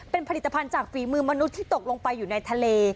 เป็นผลิตภัณฑ์จากฝีมือมนุษย์ที่ตกลงไปอยู่ในทะเล